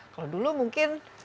kalau dulu mungkin